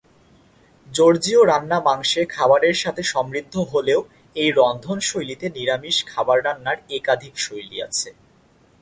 জর্জীয় রান্না মাংসের খাবারের সাথে সমৃদ্ধ হলেও এই রন্ধনশৈলীতে নিরামিষ খাবার রান্নার একাধিক শৈলী আছে।